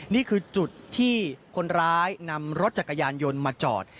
นี่คือจุดที่คนร้ายนำรถจักรยานยนต์มาจอด